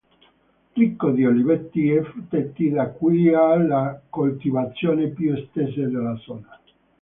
Ricco di oliveti, e frutteti di cui ha le coltivazioni più estese della zona.